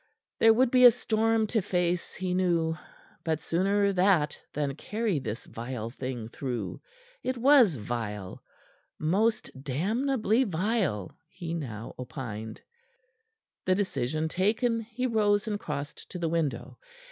There would be a storm to face, he knew. But sooner that than carry this vile thing through. It was vile most damnably vile he now opined. The decision taken, he rose and crossed to the window.